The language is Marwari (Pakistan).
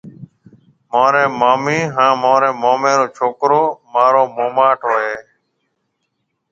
مهاريَ موميَ هانَ مومِي رو ڇوڪرو مهارو موماٽ هوئيَ هيَ۔